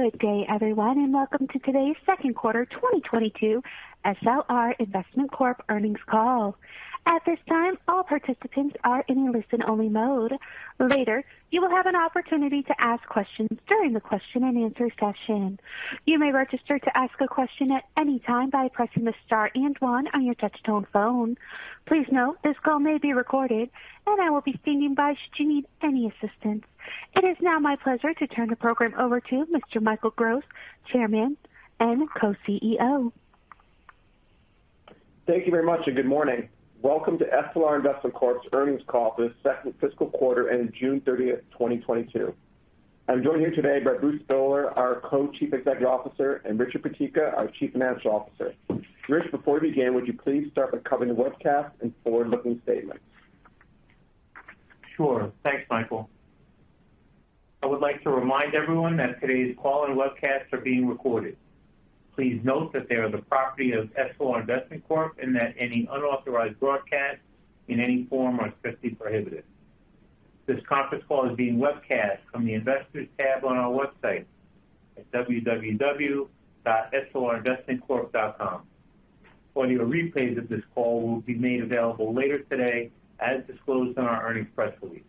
Good day, everyone, and welcome to today's Second Quarter 2022 SLR Investment Corp. earnings call. At this time, all participants are in a listen-only mode. Later, you will have an opportunity to ask questions during the question and answer session. You may register to ask a question at any time by pressing the star and one on your touch-tone phone. Please note, this call may be recorded, and I will be standing by should you need any assistance. It is now my pleasure to turn the program over to Mr. Michael Gross, Chairman and Co-CEO. Thank you very much, and good morning. Welcome to SLR Investment Corp.'s earnings call for the second fiscal quarter ending June 30, 2022. I'm joined here today by Bruce Spohler, our Co-Chief Executive Officer, and Richard Peteka, our Chief Financial Officer. Rich, before we begin, would you please start by covering the webcast and forward-looking statements? Sure. Thanks, Michael. I would like to remind everyone that today's call and webcast are being recorded. Please note that they are the property of SLR Investment Corp. and that any unauthorized broadcast in any form are strictly prohibited. This conference call is being webcast from the Investors tab on our website at www.slrinvestmentcorp.com. Audio replay of this call will be made available later today as disclosed on our earnings press release.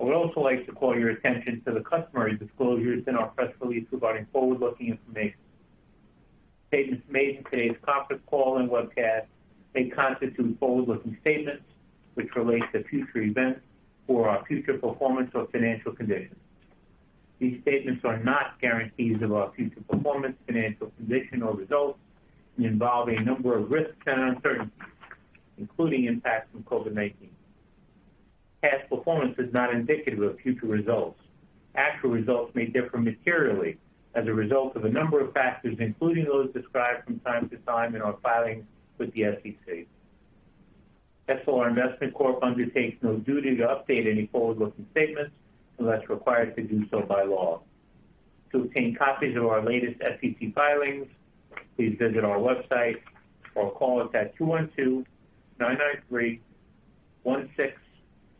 I would also like to call your attention to the customary disclosures in our press release regarding forward-looking information. Statements made in today's conference call and webcast may constitute forward-looking statements which relate to future events or our future performance or financial conditions. These statements are not guarantees of our future performance, financial position, or results and involve a number of risks and uncertainties, including impacts from COVID-19. Past performance is not indicative of future results. Actual results may differ materially as a result of a number of factors, including those described from time to time in our filings with the SEC. SLR Investment Corp. undertakes no duty to update any forward-looking statements unless required to do so by law. To obtain copies of our latest SEC filings, please visit our website or call us at 212-993-1670.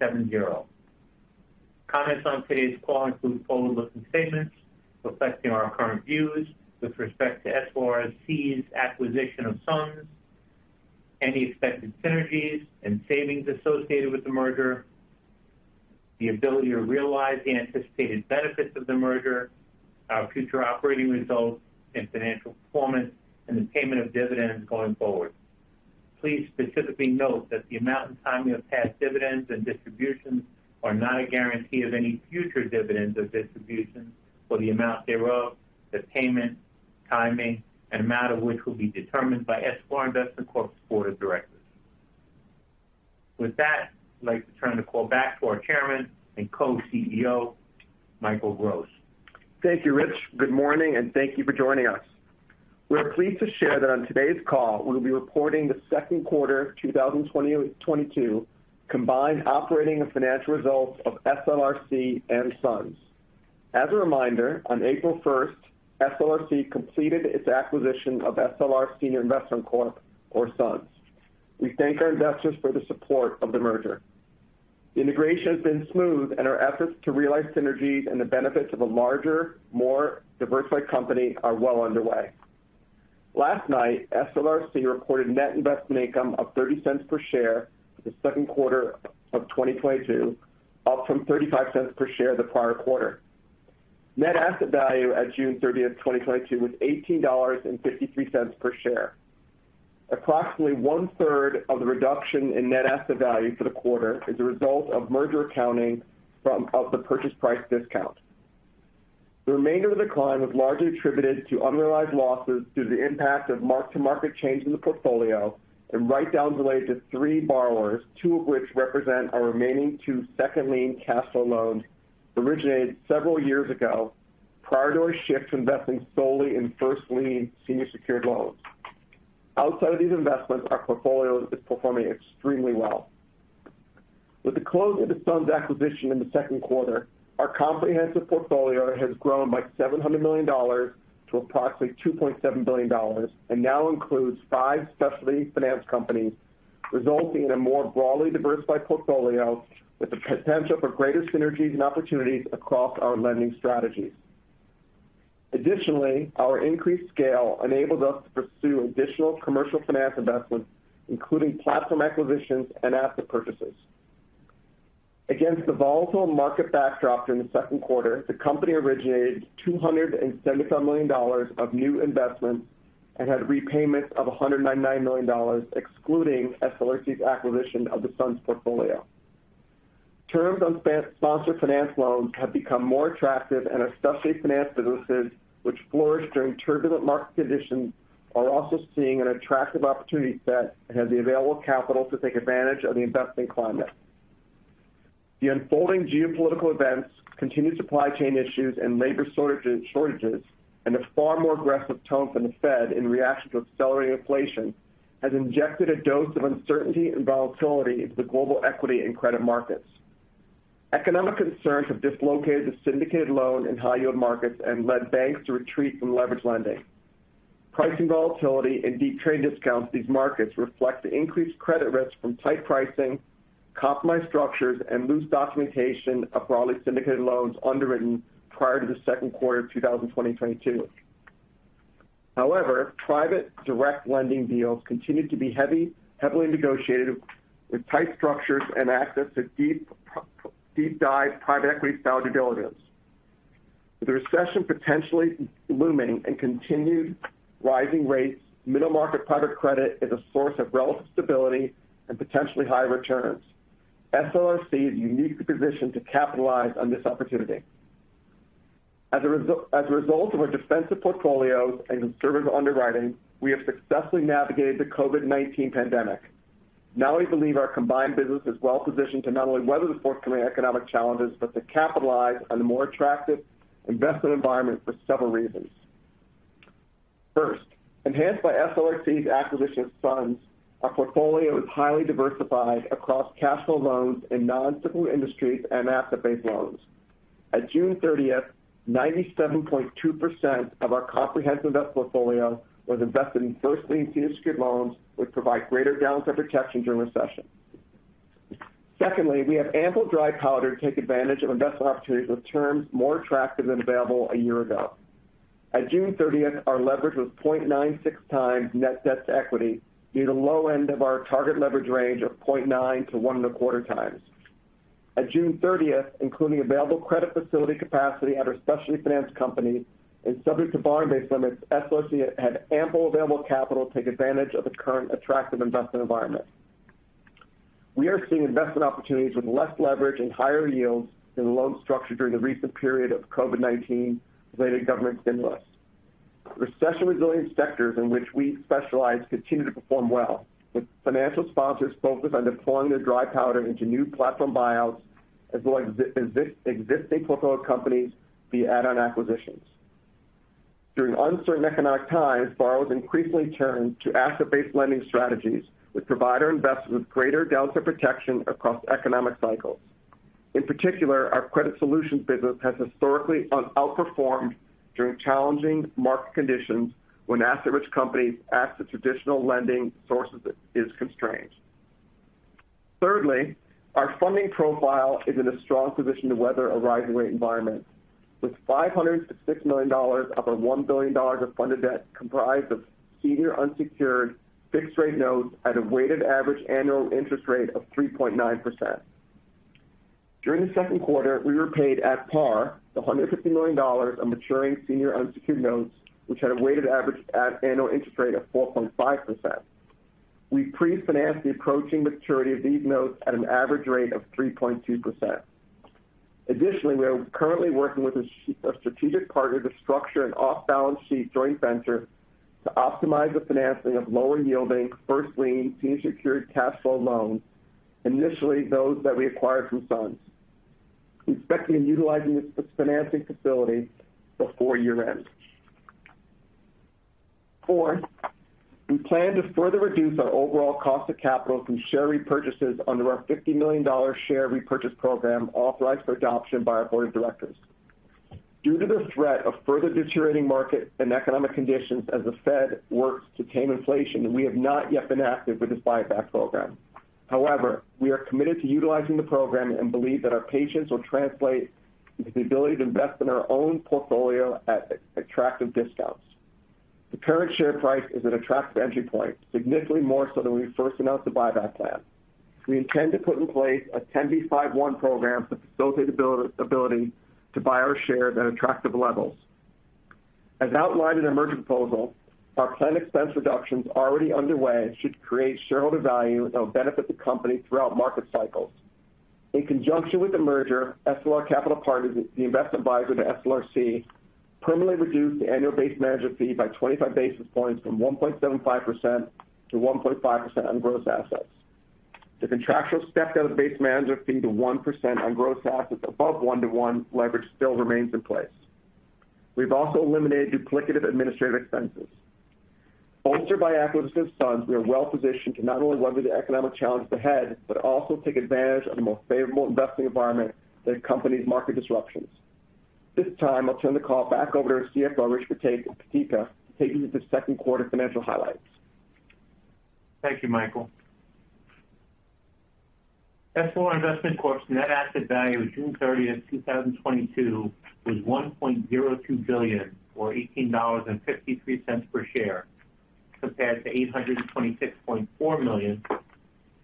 Comments on today's call include forward-looking statements reflecting our current views with respect to SLRC's acquisition of SUNS, any expected synergies and savings associated with the merger, the ability to realize the anticipated benefits of the merger, our future operating results and financial performance, and the payment of dividends going forward. Please specifically note that the amount and timing of past dividends and distributions are not a guarantee of any future dividends or distributions or the amount thereof, the payment, timing, and amount of which will be determined by SLR Investment Corp.'s Board of Directors. With that, I'd like to turn the call back to our Chairman and Co-CEO, Michael Gross. Thank you, Rich. Good morning, and thank you for joining us. We're pleased to share that on today's call, we'll be reporting the Second Quarter 2022 combined operating and financial results of SLRC and SUNS. As a reminder, on April 1, SLRC completed its acquisition of SLR Senior Investment Corp., or SUNS. We thank our investors for the support of the merger. Integration's been smooth, and our efforts to realize synergies and the benefits of a larger, more diversified company are well underway. Last night, SLRC reported Net Investment Income of $0.30 per share for the Second Quarter of 2022, up from $0.35 per share the prior quarter. Net Asset Value at June 30, 2022 was $18.53 per share. Approximately one-third of the reduction in Net Asset Value for the quarter is a result of merger accounting of the purchase price discount. The remainder of the decline was largely attributed to unrealized losses due to the impact of mark-to-market change in the portfolio and write-downs related to three borrowers, two of which represent our remaining two second lien CASL loans originated several years ago prior to our shift to investing solely in first lien senior secured loans. Outside of these investments, our portfolio is performing extremely well. With the close of the SUNS acquisition in the Second Quarter, our comprehensive portfolio has grown by $700 million to approximately $2.7 billion and now includes five specialty finance companies, resulting in a more broadly diversified portfolio with the potential for greater synergies and opportunities across our lending strategies. Additionally, our increased scale enables us to pursue additional commercial finance investments, including platform acquisitions and asset purchases. Against the volatile market backdrop during the Second Quarter, the company originated $277 million of new investments and had repayments of $199 million, excluding SLRC's acquisition of the SUNS portfolio. Terms on sponsored finance loans have become more attractive, and our specialty finance businesses, which flourished during turbulent market conditions, are also seeing an attractive opportunity set and have the available capital to take advantage of the investing climate. The unfolding geopolitical events, continued supply chain issues and labor shortages, and a far more aggressive tone from the Fed in reaction to accelerating inflation has injected a dose of uncertainty and volatility into the global equity and credit markets. Economic concerns have dislocated the syndicated loan and high-yield markets and led banks to retreat from leveraged lending. Pricing volatility and deep trade discounts in these markets reflect the increased credit risk from tight pricing, compromised structures, and loose documentation of broadly syndicated loans underwritten prior to the Second Quarter of 2020 and 2022. However, private direct lending deals continued to be heavily negotiated with tight structures and access to deep dive private equity style due diligence. With the recession potentially looming and continued rising rates, middle market private credit is a source of relative stability and potentially high returns. SLRC is uniquely positioned to capitalize on this opportunity. As a result of our defensive portfolios and conservative underwriting, we have successfully navigated the COVID-19 pandemic. We believe our combined business is well-positioned to not only weather the forthcoming economic challenges, but to capitalize on the more attractive investment environment for several reasons. First, enhanced by SLRC's acquisition of SUNS, our portfolio is highly diversified across cash flow loans in non-cyclical industries and asset-based loans. At June 30, 97.2% of our comprehensive investment portfolio was invested in first lien senior secured loans, which provide greater downside protection during recession. Secondly, we have ample dry powder to take advantage of investment opportunities with terms more attractive than available a year ago. At June 30, our leverage was 0.96 times net debt to equity, near the low end of our target leverage range of 0.9-1.25 times. At June 30th, including available credit facility capacity at our specialty finance company and subject to borrowing base limits, SLRC had ample available capital to take advantage of the current attractive investment environment. We are seeing investment opportunities with less leverage and higher yields than the loan structure during the recent period of COVID-19 related government stimulus. Recession resilient sectors in which we specialize continue to perform well, with financial sponsors focused on deploying their dry powder into new platform buyouts as well as existing portfolio companies via add-on acquisitions. During uncertain economic times, borrowers increasingly turn to asset-based lending strategies, which provide our investors with greater downside protection across economic cycles. In particular, our credit solutions business has historically outperformed during challenging market conditions when asset-rich companies' access to traditional lending sources is constrained. Thirdly, our funding profile is in a strong position to weather a rising rate environment. With $560 million of our $1 billion of funded debt comprised of senior unsecured fixed rate notes at a weighted average annual interest rate of 3.9%. During the Second Quarter, we repaid at par $150 million of maturing senior unsecured notes, which had a weighted average annual interest rate of 4.5%. We pre-financed the approaching maturity of these notes at an average rate of 3.2%. Additionally, we are currently working with a strategic partner to structure an off-balance sheet joint venture to optimize the financing of lower yielding first-lien senior secured cash flow loans, initially those that we acquired from SUNS. We expect to be utilizing this financing facility before year-end. Four, we plan to further reduce our overall cost of capital through share repurchases under our $50 million share repurchase program authorized for adoption by our Board of Directors. Due to the threat of further deteriorating market and economic conditions as the Fed works to tame inflation, we have not yet been active with this buyback program. However, we are committed to utilizing the program and believe that our patience will translate into the ability to invest in our own portfolio at attractive discounts. The current share price is an attractive entry point, significantly more so than when we first announced the buyback plan. We intend to put in place a 10b5-1 program to facilitate the ability to buy our shares at attractive levels. As outlined in our merger proposal, our planned expense reductions already underway should create shareholder value that will benefit the company throughout market cycles. In conjunction with the merger, SLR Capital Partners, the investment advisor to SLRC, permanently reduced the annual base management fee by 25 basis points from 1.75% to 1.5% on gross assets. The contractual stepped out of base management fee to 1% on gross assets above 1-to-1 leverage still remains in place. We've also eliminated duplicative administrative expenses. Bolstered by acquisition of SUNS, we are well positioned to not only weather the economic challenge ahead, but also take advantage of the more favorable investing environment that accompanies market disruptions. At this time, I'll turn the call back over to our CFO, Rich Peteka, to take you through the Second Quarter financial highlights. Thank you, Michael. SLR Investment Corp.'s Net Asset Value of June 30, 2022 was $1.02 billion or $18.53 per share, compared to $826.4 million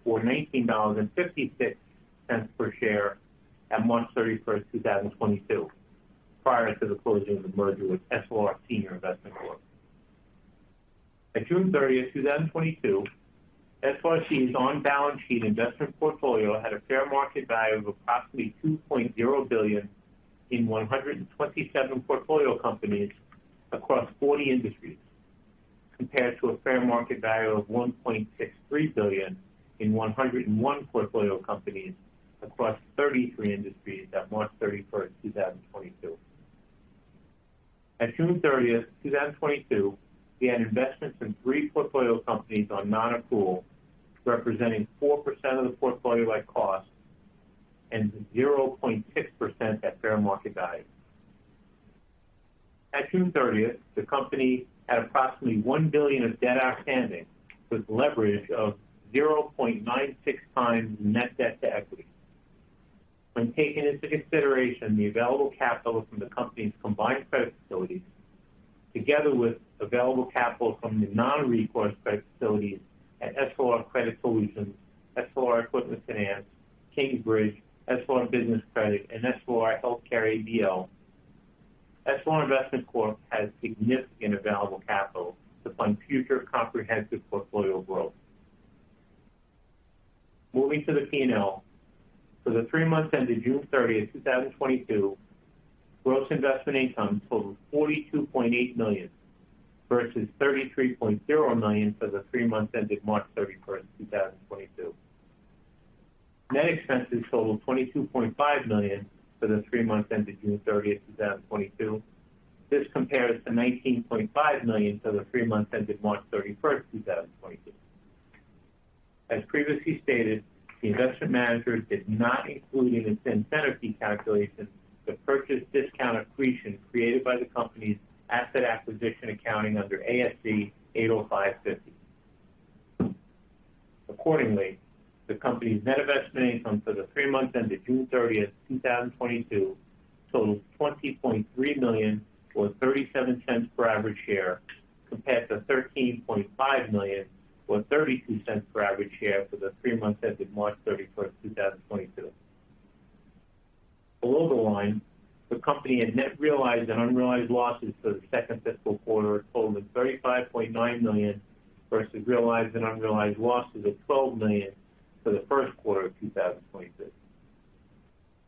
or $19.56 per share at March 31, 2022, prior to the closing of the merger with SLR Senior Investment Corp. At June 30, 2022, SLRC's on-balance sheet investment portfolio had a fair market value of approximately $2.0 billion in 127 portfolio companies across 40 industries, compared to a fair market value of $1.63 billion in 101 portfolio companies across 33 industries at March 31, 2022. At June 30, 2022, we had investments in 3 portfolio companies on non-accrual, representing 4% of the portfolio at cost and 0.6% at fair market value. At June 30, 2022, the company had approximately $1 billion of debt outstanding with leverage of 0.96x net debt to equity. When taking into consideration the available capital from the company's combined credit facilities together with available capital from the non-recourse credit facilities at SLR Credit Solutions, SLR Equipment Finance, Kingsbridge, SLR Business Credit, and SLR Healthcare ABL, SLR Investment Corp. has significant available capital to fund future comprehensive portfolio growth. Moving to the P&L. For the three months ended June 30, 2022, gross investment income totaled $42.8 million versus $33.0 million for the three months ended March 31, 2022. Net expenses totaled $22.5 million for the three months ended June 30, 2022. This compares to $19.5 million for the three months ended March 31, 2022. As previously stated, the investment managers did not include in the incentive fee calculation the purchase discount accretion created by the company's asset acquisition accounting under ASC 805-50. Accordingly, the company's Net Investment Income for the three months ended June 30, 2022 totaled $20.3 million or $0.37 per average share, compared to $13.5 million or $0.32 per average share for the three months ended March 31, 2022. Below the line, the company had net realized and unrealized losses for the second fiscal quarter totaling $35.9 million, versus realized and unrealized losses of $12 million for the first quarter of 2022.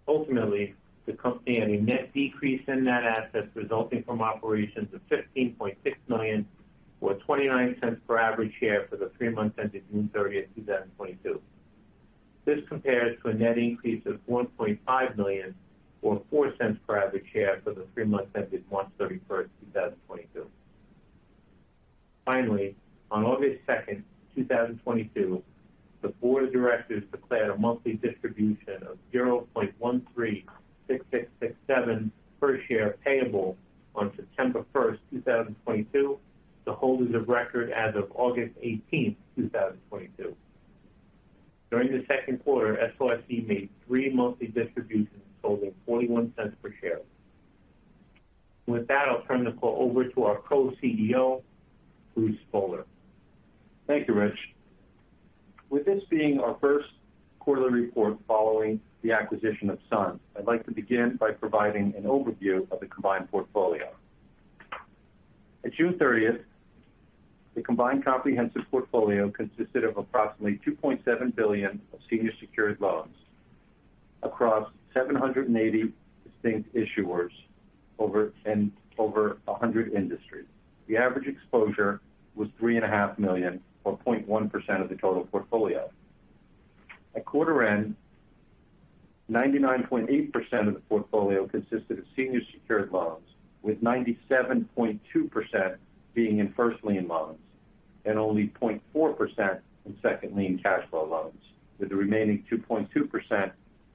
Ultimately, the company had a net decrease in net assets resulting from operations of $15.6 million or $0.29 per average share for the three months ended June 30, 2022. This compares to a net increase of $1.5 million or $0.04 per average share for the three months ended March 31, 2022. Finally, on August 2, 2022, the Board of Directors declared a monthly distribution of $0.1366667 per share payable on September 1, 2022 to holders of record as of August 18, 2022. During the Second Quarter, SLRC made three monthly distributions totaling $0.41 per share. With that, I'll turn the call over to our Co-CEO, Bruce Spohler. Thank you, Rich. With this being our first quarterly report following the acquisition of SUNS, I'd like to begin by providing an overview of the combined portfolio. At June 30, the combined comprehensive portfolio consisted of approximately $2.7 billion of senior secured loans across 780 distinct issuers over 100 industries. The average exposure was $3.5 million, or 0.1% of the total portfolio. At quarter end, 99.8% of the portfolio consisted of senior secured loans, with 97.2% being in first lien loans and only 0.4% in second lien cash flow loans, with the remaining 2.2%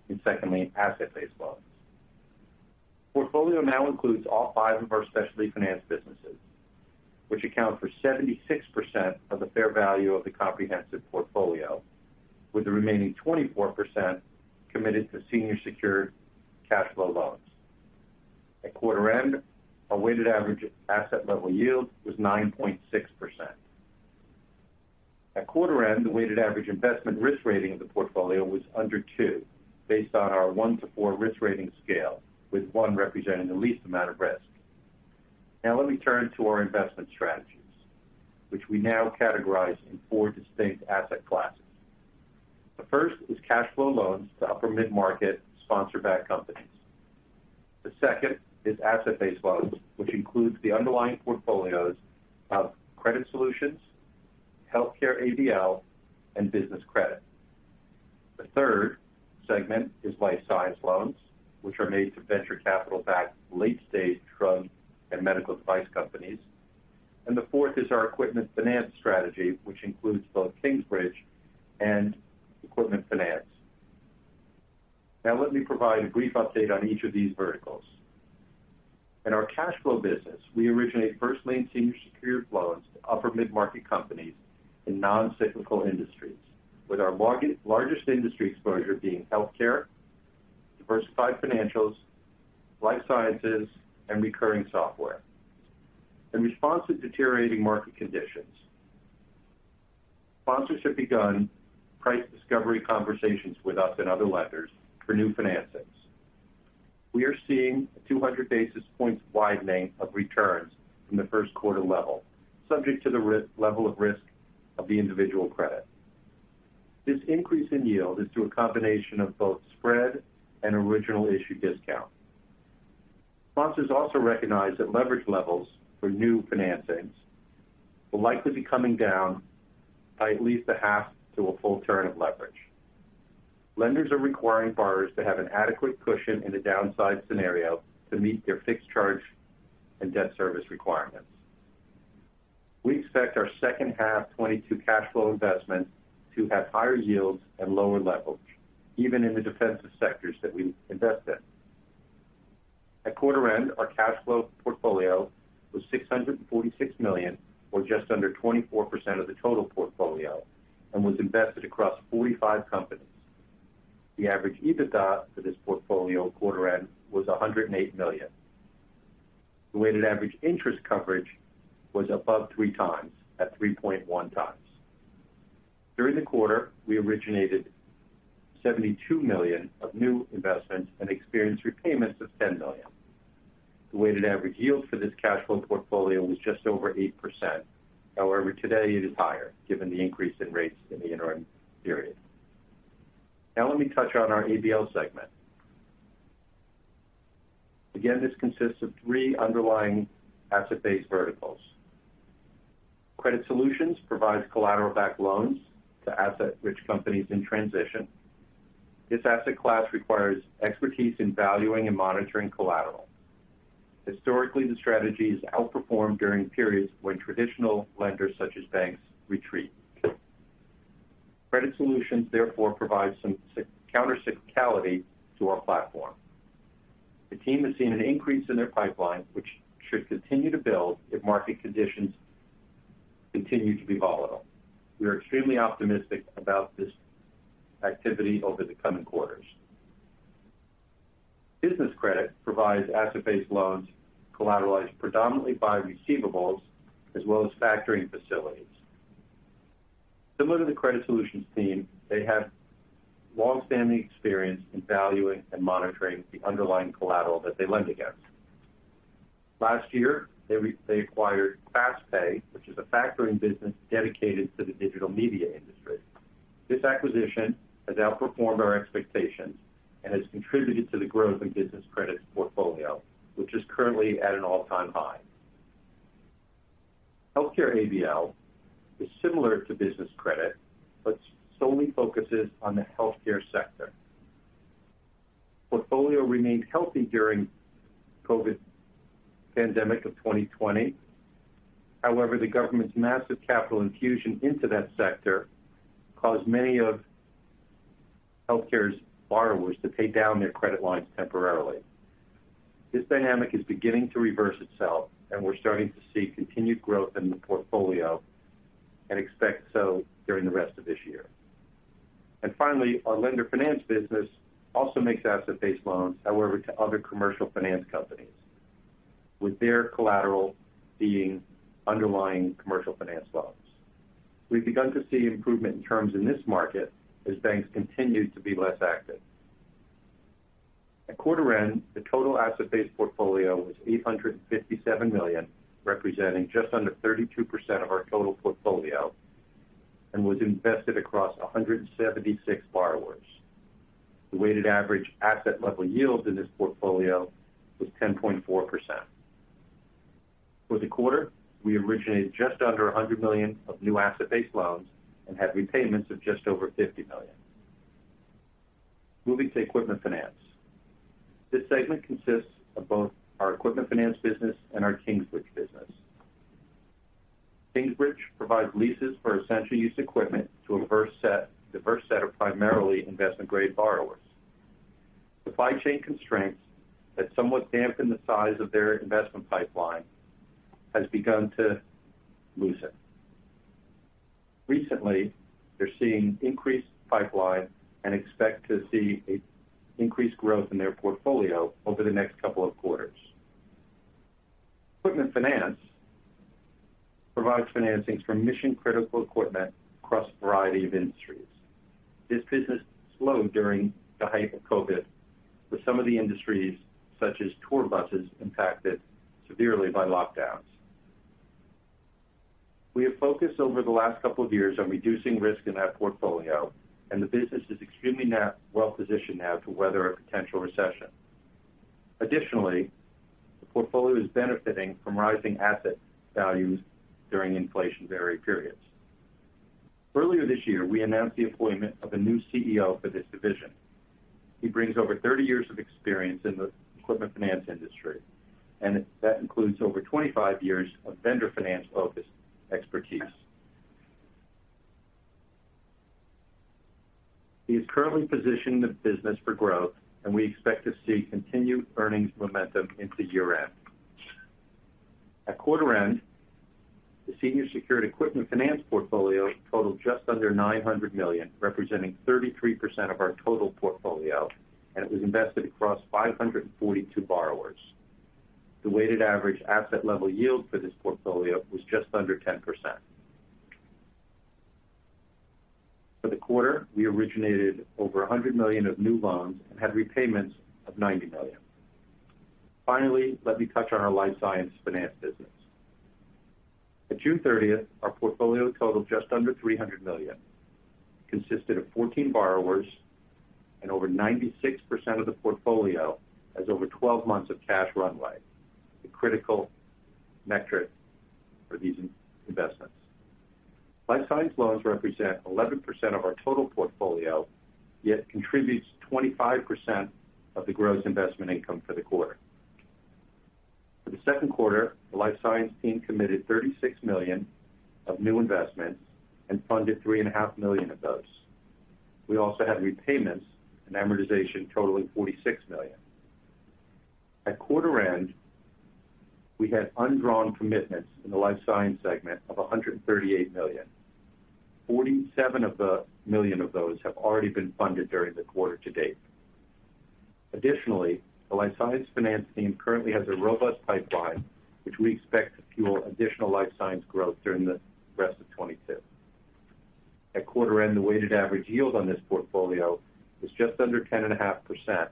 in second lien asset-based loans. Portfolio now includes all five of our specialty finance businesses, which account for 76% of the fair value of the comprehensive portfolio, with the remaining 24% committed to senior secured cash flow loans. At quarter end, our weighted average asset level yield was 9.6%. At quarter end, the weighted average investment risk rating of the portfolio was under 2 based on our 1-4 risk rating scale, with 1 representing the least amount of risk. Now let me turn to our investment strategies, which we now categorize in four distinct asset classes. The first is cash flow loans to upper mid-market sponsor-backed companies. The second is asset-based loans, which includes the underlying portfolios of Credit Solutions, Healthcare ABL, and Business Credit. The third segment is Life Science loans, which are made to venture capital-backed late-stage drug and medical device companies. The fourth is our equipment finance strategy, which includes both Kingsbridge and Equipment Finance. Now let me provide a brief update on each of these verticals. In our cash flow business, we originate first lien senior secured loans to upper mid-market companies in non-cyclical industries, with our largest industry exposure being healthcare, diversified financials, Life Sciences, and recurring software. In response to deteriorating market conditions, sponsors have begun price discovery conversations with us and other lenders for new financings. We are seeing a 200 basis points widening of returns from the first quarter level, subject to the risk level of the individual credit. This increase in yield is through a combination of both spread and Original Issue Discount. Sponsors also recognize that leverage levels for new financings will likely be coming down by at least a half to a full turn of leverage. Lenders are requiring borrowers to have an adequate cushion in a downside scenario to meet their fixed charge and debt service requirements. We expect our second half 2022 cash flow investment to have higher yields and lower levels, even in the defensive sectors that we invest in. At quarter end, our cash flow portfolio was $646 million, or just under 24% of the total portfolio, and was invested across 45 companies. The average EBITDA for this portfolio at quarter end was $108 million. The weighted average interest coverage was above 3 times at 3.1 times. During the quarter, we originated $72 million of new investments and experienced repayments of $10 million. The weighted average yield for this cash flow portfolio was just over 8%. However, today it is higher given the increase in rates in the interim period. Now let me touch on our ABL segment. Again, this consists of three underlying asset-based verticals. SLR Credit Solutions provides collateral-backed loans to asset-rich companies in transition. This asset class requires expertise in valuing and monitoring collateral. Historically, the strategies outperformed during periods when traditional lenders such as banks retreat. SLR Credit Solutions therefore provides some counter-cyclicality to our platform. The team has seen an increase in their pipeline, which should continue to build if market conditions continue to be volatile. We are extremely optimistic about this activity over the coming quarters. SLR Business Credit provides asset-based loans collateralized predominantly by receivables as well as factoring facilities. Similar to the SLR Credit Solutions team, they have long-standing experience in valuing and monitoring the underlying collateral that they lend against. Last year, they acquired FastPay, which is a factoring business dedicated to the digital media industry. This acquisition has outperformed our expectations and has contributed to the growth of Business Credit's portfolio, which is currently at an all-time high. Healthcare ABL is similar to Business Credit, but solely focuses on the healthcare sector. Portfolio remained healthy during COVID-19 pandemic of 2020. However, the government's massive capital infusion into that sector caused many of healthcare's borrowers to pay down their credit lines temporarily. This dynamic is beginning to reverse itself, and we're starting to see continued growth in the portfolio and expect so during the rest of this year. Finally, our Lender Finance business also makes asset-based loans, however, to other commercial finance companies, with their collateral being underlying commercial finance loans. We've begun to see improvement in terms of this market as banks continue to be less active. At quarter end, the total asset-based portfolio was $857 million, representing just under 32% of our total portfolio, and was invested across 176 borrowers. The weighted average asset level yield in this portfolio was 10.4%. For the quarter, we originated just under $100 million of new asset-based loans and had repayments of just over $50 million. Moving to Equipment Finance. This segment consists of both our Equipment Finance business and our Kingsbridge business. Kingsbridge provides leases for essential use equipment to diverse set of primarily investment-grade borrowers. Supply chain constraints that somewhat dampened the size of their investment pipeline has begun to loosen. Recently, they're seeing increased pipeline and expect to see increased growth in their portfolio over the next couple of quarters. Equipment Finance provides financings for mission-critical equipment across a variety of industries. This business slowed during the height of COVID, with some of the industries, such as tour buses, impacted severely by lockdowns. We have focused over the last couple of years on reducing risk in that portfolio, and the business is well-positioned now to weather a potential recession. Additionally, the portfolio is benefiting from rising asset values during inflationary periods. Earlier this year, we announced the appointment of a new CEO for this division. He brings over 30 years of experience in the equipment finance industry, and that includes over 25 years of vendor finance-focused expertise. He is currently positioning the business for growth, and we expect to see continued earnings momentum into year-end. At quarter end, the senior secured equipment finance portfolio totaled just under $900 million, representing 33% of our total portfolio, and it was invested across 542 borrowers. The weighted average asset level yield for this portfolio was just under 10%. For the quarter, we originated over $100 million of new loans and had repayments of $90 million. Finally, let me touch on our Life Science Finance business. At June 30, our portfolio totaled just under $300 million, consisted of 14 borrowers, and over 96% of the portfolio has over 12 months of cash runway, a critical metric for these investments. Life Science Finance loans represent 11% of our total portfolio, yet contributes 25% of the gross investment income for the quarter. For the Second Quarter, the Life Science Finance team committed $36 million of new investments and funded $3.5 million of those. We also had repayments and amortization totaling $46 million. At quarter end, we had undrawn commitments in the Life Science Finance segment of $138 million. 47 of the million of those have already been funded during the quarter to date. Additionally, the Life Science Finance team currently has a robust pipeline which we expect to fuel additional Life Science growth during the rest of 2022. At quarter end, the weighted average yield on this portfolio is just under 10.5%,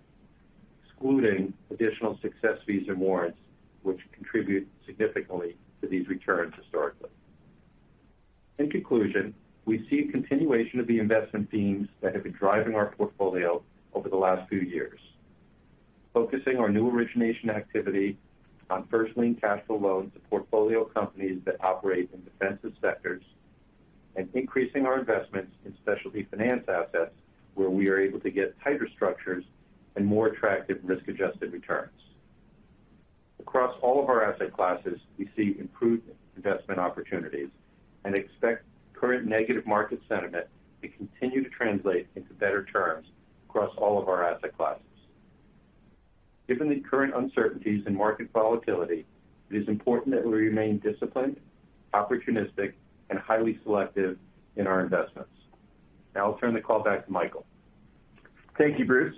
excluding additional success fees and warrants, which contribute significantly to these returns historically. In conclusion, we see a continuation of the investment themes that have been driving our portfolio over the last few years. Focusing our new origination activity on first lien cash flow loans to portfolio companies that operate in defensive sectors and increasing our investments in specialty finance assets where we are able to get tighter structures and more attractive risk-adjusted returns. Across all of our asset classes, we see improved investment opportunities and expect current negative market sentiment to continue to translate into better terms across all of our asset classes. Given the current uncertainties in market volatility, it is important that we remain disciplined, opportunistic, and highly selective in our investments. Now I'll turn the call back to Michael. Thank you, Bruce.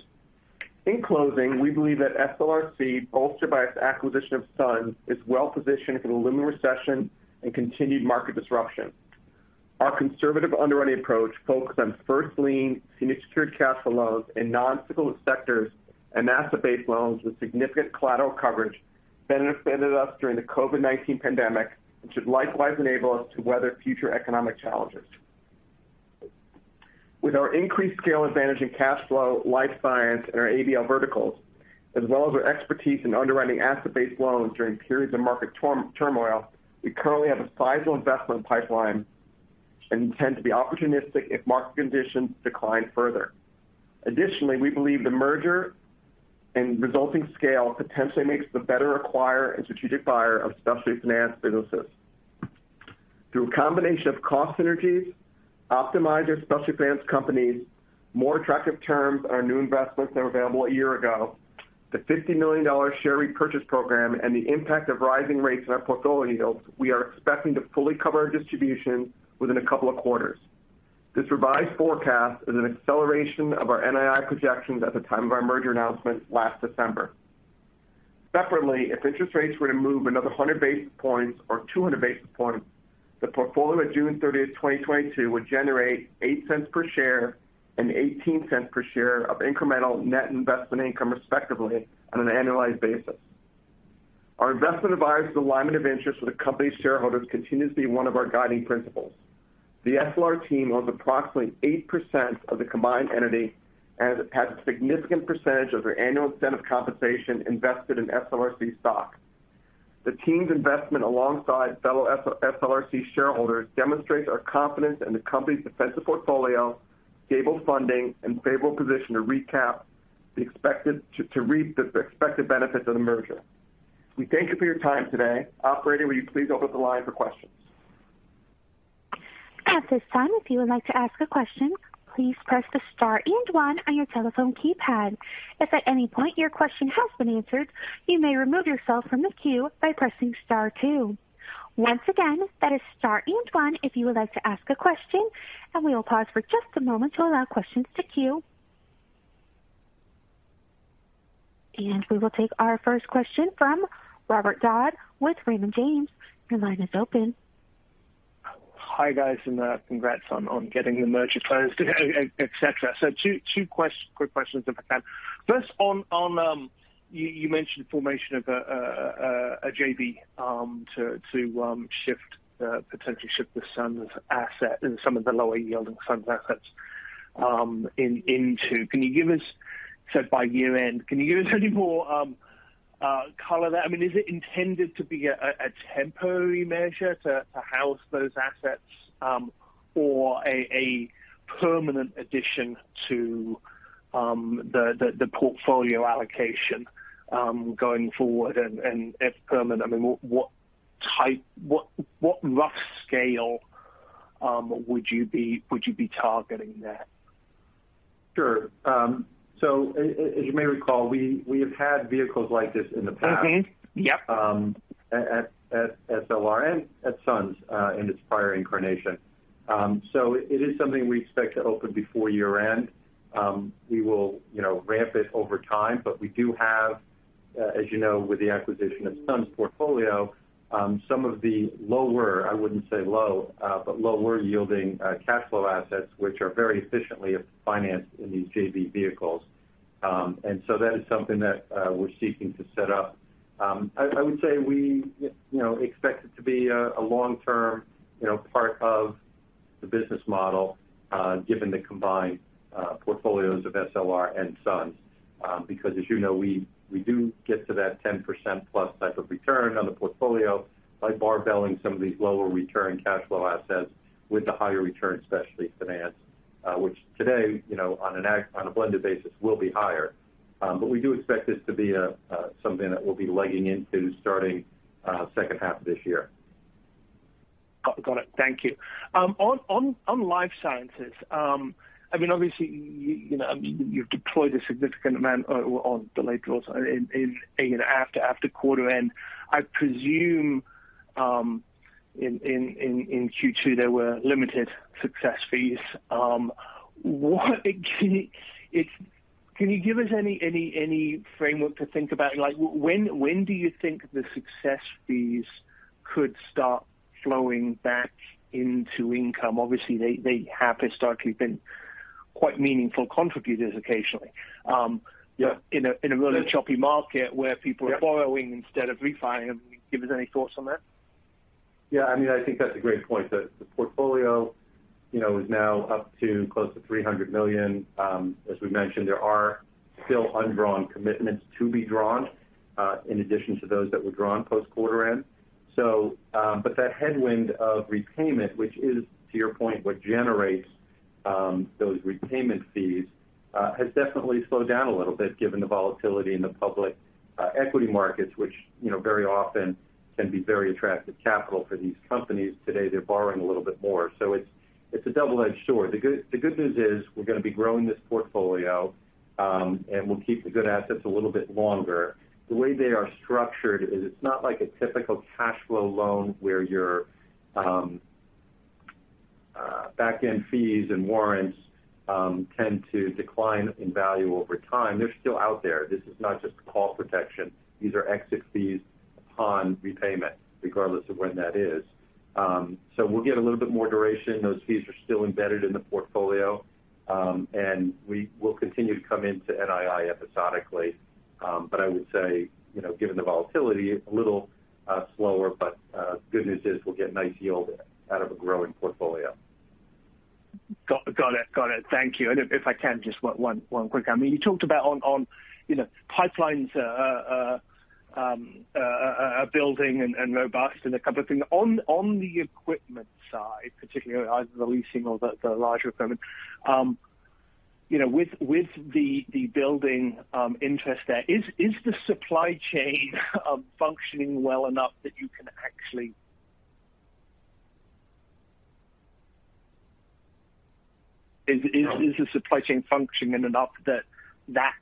In closing, we believe that SLRC, bolstered by its acquisition of SUNS, is well positioned for the looming recession and continued market disruption. Our conservative underwriting approach focused on first lien senior secured cash flow loans in non-cyclical sectors and asset-based loans with significant collateral coverage benefited us during the COVID-19 pandemic, and should likewise enable us to weather future economic challenges. With our increased scale advantage in cash flow, life science, and our ABL verticals, as well as our expertise in underwriting asset-based loans during periods of market turmoil, we currently have a sizable investment pipeline and intend to be opportunistic if market conditions decline further. Additionally, we believe the merger and resulting scale potentially makes the better acquirer and strategic buyer of specialty finance businesses. Through a combination of cost synergies, optimized specialty finance companies, more attractive terms on our new investments that were available a year ago, the $50 million share repurchase program, and the impact of rising rates in our portfolio yields, we are expecting to fully cover our distribution within a couple of quarters. This revised forecast is an acceleration of our NII projections at the time of our merger announcement last December. Separately, if interest rates were to move another 100 basis points or 200 basis points, the portfolio at June 30, 2022, would generate $0.08 per share and $0.18 per share of incremental Net Investment Income, respectively, on an annualized basis. Our investment advisors' alignment of interest with the company's shareholders continues to be one of our guiding principles. The SLR team owns approximately 8% of the combined entity and has a significant percentage of their annual incentive compensation invested in SLRC stock. The team's investment alongside fellow SLRC shareholders demonstrates our confidence in the company's defensive portfolio, stable funding, and favorable position to reap the expected benefits of the merger. We thank you for your time today. Operator, will you please open the line for questions? At this time, if you would like to ask a question, please press the star and one on your telephone keypad. If at any point your question has been answered, you may remove yourself from the queue by pressing star two. Once again, that is star and one if you would like to ask a question, and we will pause for just a moment to allow questions to queue. We will take our first question from Robert Dodd with Raymond James. Your line is open. Hi, guys, and congrats on getting the merger closed, et cetera. 2 quick questions if I can. First on, you mentioned formation of a JV to potentially shift the SUNS's asset and some of the lower yielding SUNS's assets into. By year-end, can you give us any more color there? I mean, is it intended to be a temporary measure to house those assets or a permanent addition to the portfolio allocation going forward? If permanent, I mean, what rough scale would you be targeting there? Sure. As you may recall, we have had vehicles like this in the past. Mm-hmm. Yep. At SLR and at SUNS in its prior incarnation. It is something we expect to open before year-end. We will, you know, ramp it over time. We do have, as you know, with the acquisition of SUNS's portfolio, some of the lower, I wouldn't say low, but lower yielding cash flow assets, which are very efficiently financed in these JV vehicles. That is something that we're seeking to set up. I would say we, you know, expect it to be a long-term, you know, part of the business model, given the combined portfolios of SLR and SUNS. Because as you know, we do get to that 10%+ type of return on the portfolio by barbelling some of these lower return cash flow assets with the higher return specialty finance, which today, you know, on a blended basis will be higher. But we do expect this to be something that we'll be legging into starting second half of this year. Got it. Thank you. On Life Sciences, I mean, obviously you know, I mean, you've deployed a significant amount on the late draws in after quarter end. I presume, in Q2, there were limited success fees. Can you give us any framework to think about? Like, when do you think the success fees could start flowing back into income? Obviously, they have historically been quite meaningful contributors occasionally. Yeah. In a really choppy market where people are borrowing instead of refinancing. Can you give us any thoughts on that? Yeah. I mean, I think that's a great point. The portfolio, you know, is now up to close to $300 million. As we mentioned, there are still undrawn commitments to be drawn, in addition to those that were drawn post quarter end. That headwind of repayment, which is, to your point, what generates those repayment fees, has definitely slowed down a little bit given the volatility in the public equity markets, which, you know, very often can be very attractive capital for these companies. Today, they're borrowing a little bit more. It's a double-edged sword. The good news is we're gonna be growing this portfolio, and we'll keep the good assets a little bit longer. The way they are structured is it's not like a typical cash flow loan where your back-end fees and warrants tend to decline in value over time. They're still out there. This is not just call protection. These are exit fees upon repayment, regardless of when that is. We'll get a little bit more duration. Those fees are still embedded in the portfolio. We will continue to come into NII episodically. I would say, you know, given the volatility, a little slower, but good news is we'll get nice yield out of a growing portfolio. Got it. Thank you. If I can just one quick. I mean, you talked about on you know pipelines building and robust and a couple of things. On the equipment side, particularly either the leasing or the larger equipment you know with the building interest there, is the supply chain functioning enough that that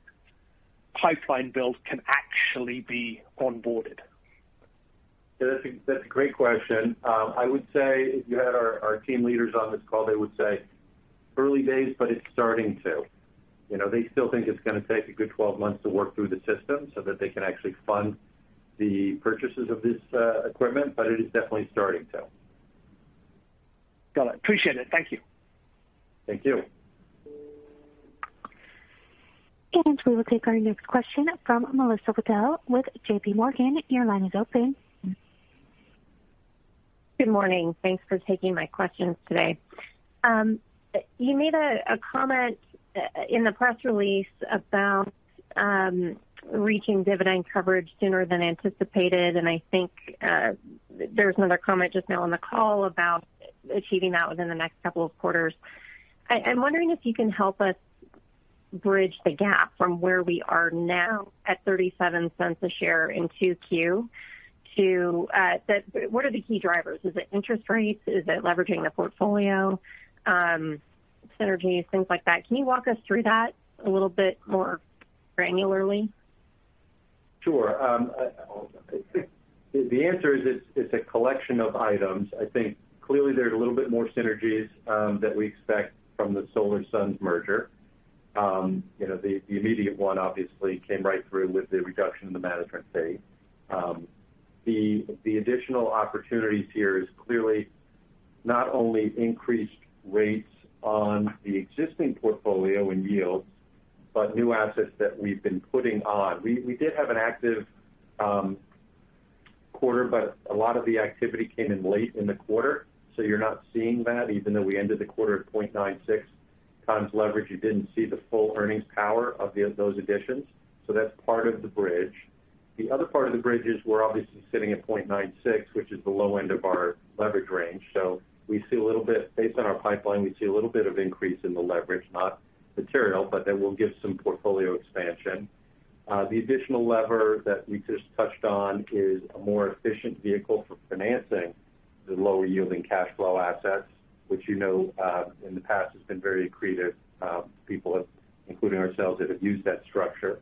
pipeline build can actually be onboarded? Yeah, that's a great question. I would say if you had our team leaders on this call, they would say early days, but it's starting to. You know, they still think it's gonna take a good 12 months to work through the system so that they can actually fund the purchases of this equipment, but it is definitely starting to. Got it. Appreciate it. Thank you. Thank you. We will take our next question from Melissa Wedel with JPMorgan. Your line is open. Good morning. Thanks for taking my questions today. You made a comment in the press release about reaching dividend coverage sooner than anticipated. I think there was another comment just now on the call about achieving that within the next couple of quarters. I'm wondering if you can help us bridge the gap from where we are now at $0.37 a share in 2Q to. What are the key drivers? Is it interest rates? Is it leveraging the portfolio? Synergies, things like that. Can you walk us through that a little bit more granularly? Sure. The answer is it's a collection of items. I think clearly there's a little bit more synergies that we expect from the SLR SUNS merger. You know, the immediate one obviously came right through with the reduction in the management fee. The additional opportunities here is clearly not only increased rates on the existing portfolio and yields, but new assets that we've been putting on. We did have an active quarter, but a lot of the activity came in late in the quarter, so you're not seeing that. Even though we ended the quarter at 0.96 times leverage, you didn't see the full earnings power of those additions. That's part of the bridge. The other part of the bridge is we're obviously sitting at 0.96, which is the low end of our leverage range. Based on our pipeline, we see a little bit of increase in the leverage, not material, but that will give some portfolio expansion. The additional lever that we just touched on is a more efficient vehicle for financing the lower yielding cash flow assets, which, you know, in the past has been very accretive, people, including ourselves, that have used that structure.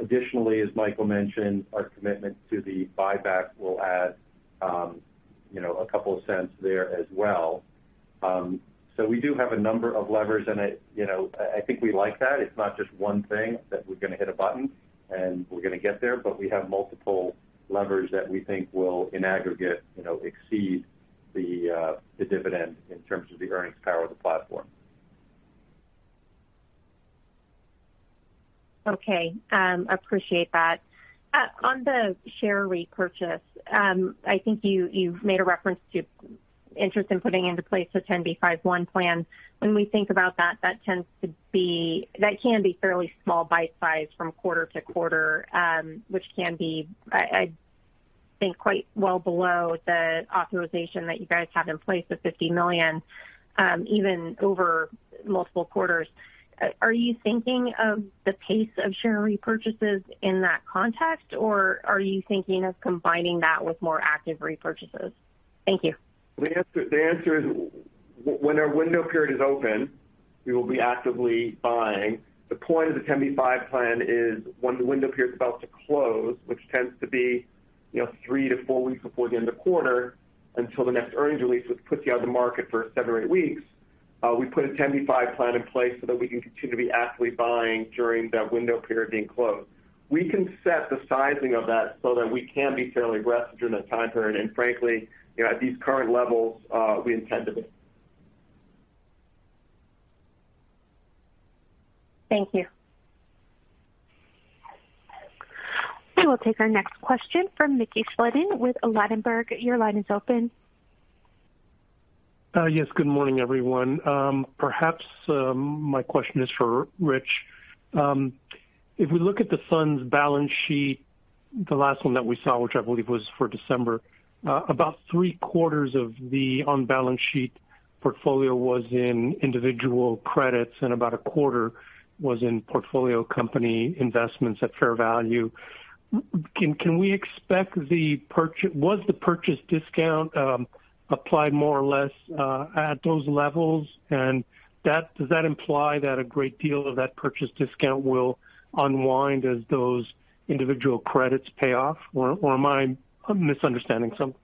Additionally, as Michael mentioned, our commitment to the buyback will add, you know, a couple of cents there as well. We do have a number of levers, and I, you know, I think we like that. It's not just one thing that we're gonna hit a button and we're gonna get there, but we have multiple levers that we think will in aggregate, you know, exceed the dividend in terms of the earnings power of the platform. Okay. Appreciate that. On the share repurchase, I think you've made a reference to interest in putting into place a 10b5-1 plan. When we think about that tends to be that can be fairly small bite-sized from quarter to quarter, which can be, I think, quite well below the authorization that you guys have in place of $50 million, even over multiple quarters. Are you thinking of the pace of share repurchases in that context, or are you thinking of combining that with more active repurchases? Thank you. The answer is when our window period is open, we will be actively buying. The point of the 10b5-1 plan is when the window period is about to close, which tends to be, you know, 3-4 weeks before the end of the quarter until the next earnings release, which puts you out of the market for 7 or 8 weeks. We put a 10b5-1 plan in place so that we can continue to be actively buying during that window period being closed. We can set the sizing of that so that we can be fairly rested during that time period. Frankly, you know, at these current levels, we intend to be. Thank you. We will take our next question from Mickey Schleien with Ladenburg. Your line is open. Yes. Good morning, everyone. Perhaps my question is for Rich. If we look at the fund's balance sheet, the last one that we saw, which I believe was for December, about three-quarters of the on-balance sheet portfolio was in individual credits, and about a quarter was in portfolio company investments at fair value. Was the purchase discount applied more or less at those levels? Does that imply that a great deal of that purchase discount will unwind as those individual credits pay off? Or am I misunderstanding something?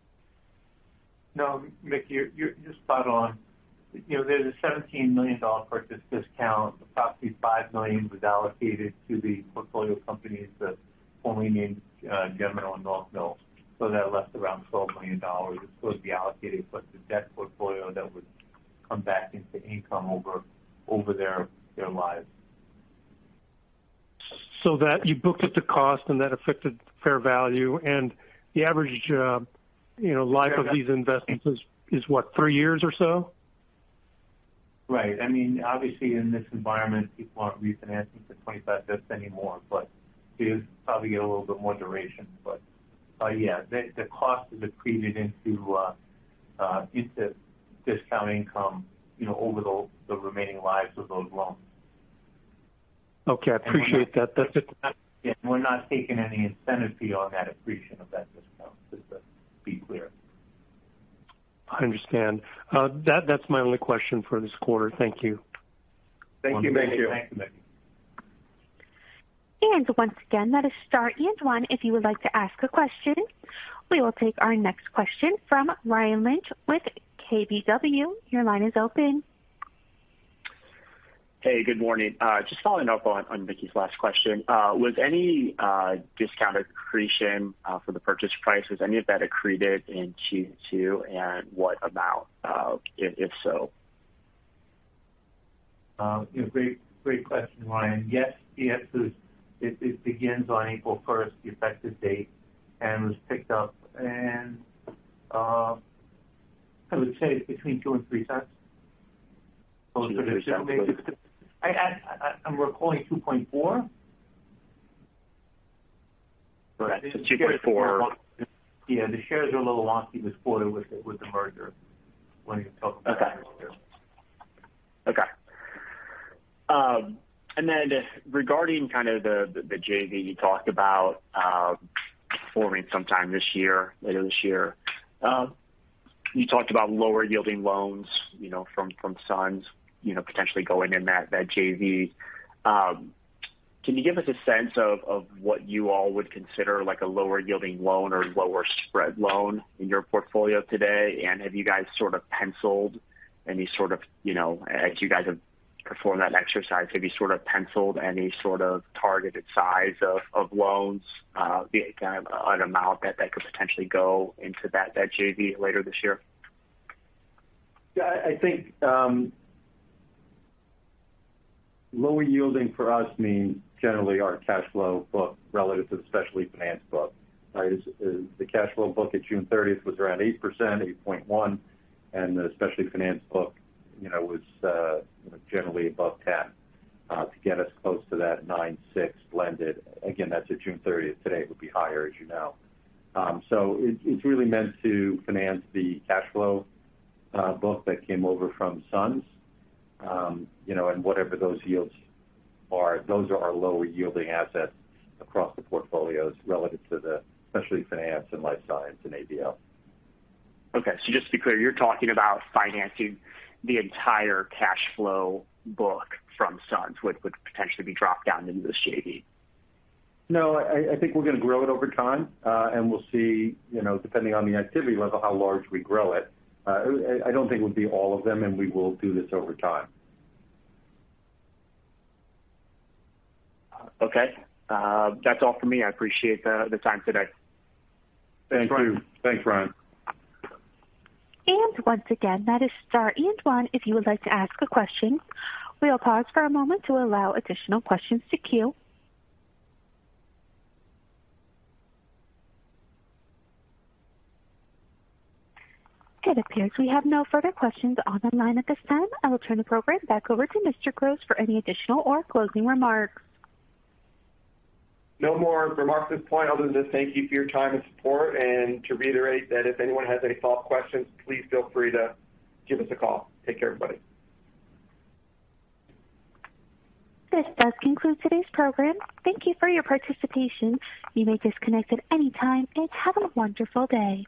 No, Mickey, you're spot on. You know, there's a $17 million purchase discount. Approximately $5 million was allocated to the portfolio companies that only need General and North Mill. That left around $12 million that's supposed to be allocated to the debt portfolio that would come back into income over their lives. That you booked at the cost and that affected fair value. The average, you know, life of these investments is what, three years or so? Right. I mean, obviously in this environment, people aren't refinancing for $0.25 anymore, but you'll probably get a little bit more duration. Yeah, the cost is accreted into discount income, you know, over the remaining lives of those loans. Okay, I appreciate that. That's it. We're not taking any incentive fee on that accretion of that discount, just to be clear. I understand. That's my only question for this quarter. Thank you. Thank you, Mickey. Once again, that is star and one if you would like to ask a question. We will take our next question from Ryan Lynch with KBW. Your line is open. Hey, good morning. Just following up on Mickey's last question. Was any discounted accretion for the purchase price accreted in Q2? What amount, if so? Great question, Ryan. Yes. The answer is, it begins on April first, the effective date, and was picked up. I would say it's between $0.02 and $0.03. I'm recalling $0.024. 2.4. Yeah, the shares are a little wonky this quarter with the merger. Okay. Regarding kind of the JV you talked about forming sometime this year, later this year. You talked about lower yielding loans, you know, from SUNS, you know, potentially going in that JV. Can you give us a sense of what you all would consider like a lower yielding loan or lower spread loan in your portfolio today? Have you guys sort of penciled any sort of, you know, as you guys have performed that exercise, have you sort of penciled any sort of targeted size of loans, kind of an amount that could potentially go into that JV later this year? Yeah, I think lower yielding for us means generally our cash flow book relative to the specialty finance book. Right. The cash flow book at June thirtieth was around 8%, 8.1%, and the specialty finance book, you know, was generally above 10% to get us close to that 9.6% blended. Again, that's at June thirtieth. Today it would be higher, as you know. It's really meant to finance the cash flow book that came over from SUNS. You know, and whatever those yields are, those are our lower yielding assets across the portfolios relative to the specialty finance and Life Science and ABL. Okay, just to be clear, you're talking about financing the entire cash flow book from SUNS would potentially be dropped down into this JV. No, I think we're going to grow it over time, and we'll see, you know, depending on the activity level, how large we grow it. I don't think it would be all of them. We will do this over time. Okay. That's all for me. I appreciate the time today. Thank you. Thanks, Ryan. Once again, that is star and one if you would like to ask a question. We'll pause for a moment to allow additional questions to queue. It appears we have no further questions on the line at this time. I will turn the program back over to Mr. Gross for any additional or closing remarks. No more remarks at this point other than to thank you for your time and support. To reiterate that if anyone has any follow-up questions, please feel free to give us a call. Take care, everybody. This does conclude today's program. Thank you for your participation. You may disconnect at any time and have a wonderful day.